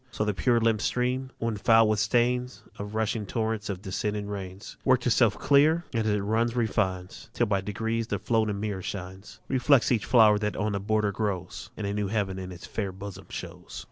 So the pure limped stream, when foul with stains Of rushing torrents and descending rains, Works itself clear, and as it runs refines, till by degrees the floating mirror shines; Reflects each flower that on the border grows, And a new heaven in it's fair bosom shows.